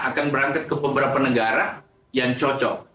akan berangkat ke beberapa negara yang cocok